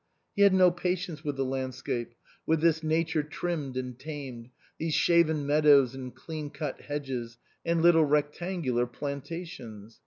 He had no patience with the landscape, with this Nature trimmed and tamed, these shaven meadows and clean cut hedges and little rectan gular plantations.